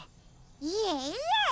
いえいえ。